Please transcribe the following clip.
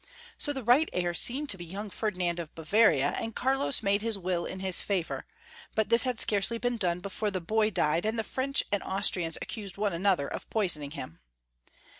So the right heir seemed to be young Ferdinand of Bavaria, and Carlos made his will in his favor, but this had scarcely been done before the boy died, and the French and Austrians accused one another of poisoning him.